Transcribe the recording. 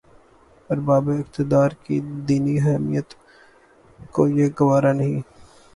اربابِ اقتدارکی دینی حمیت کو یہ گوارا نہیں